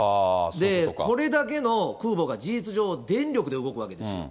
これだけの空母が事実上、電力で動くわけですよ。